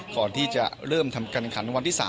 ก่อนที่จะเริ่มทำการขันวันที่๓